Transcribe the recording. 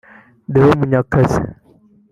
Deo Munyakazi